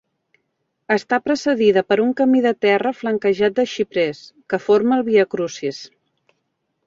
Està precedida per un camí de terra flanquejat de xiprers, que forma el Viacrucis.